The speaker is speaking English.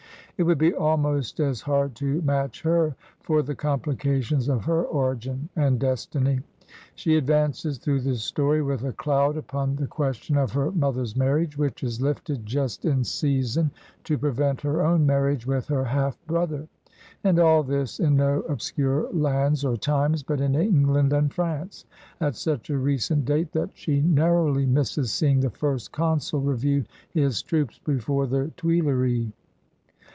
It would be almost as hard to match her for the complications of her origin and destiny. She advances through the story, with a cloud upon the question of her mother's marriage which is lifted just in season to prevent her own marriage with her half brother; and all this in no obscure lands or times, but in England and France, at such a recent date that she narrowly misses seeing the First Consul review his troops before the Tuileries.